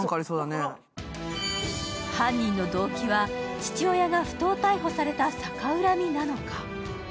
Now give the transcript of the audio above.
犯人の動機は、父親が不当逮捕された逆恨みなのか。